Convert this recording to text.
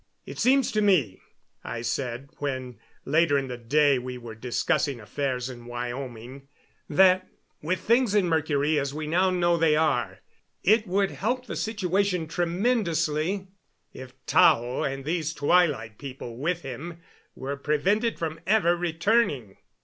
"It seems to me," I said when, later in the day, we were discussing affairs in Wyoming, "that with things in Mercury as we now know they are, it would help the situation tremendously if Tao and these Twilight People with him were prevented from ever returning."